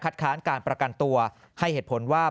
ค้านการประกันตัวให้เหตุผลว่า